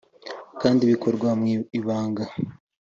kandi bikorwa mu ibanga